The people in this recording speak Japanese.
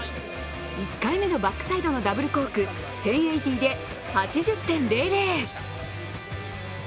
１回目のバックサイドのダブルコーク１０８０で８０．００。